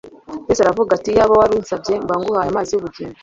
Yesu aravuga ati, Iyaba wari unsabye, mba nguhaye amazi y’ubugingo